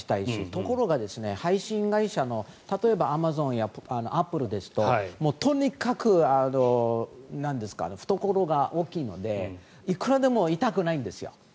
ところが、配信会社の例えばアマゾンやアップルですととにかく懐が大きいのでいくらでも痛くないんですよ。